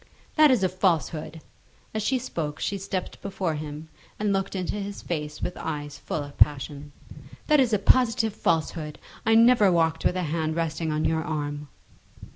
"That is a falsehood." As she spoke she stepped before him, and looked into his face with eyes full of passion. "That is a positive falsehood. I never walked with a hand resting on your arm."